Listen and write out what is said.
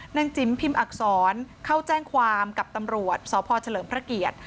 จิ๋มพิมพ์อักษรเข้าแจ้งความกับตำรวจสพเฉลิมพระเกียรติ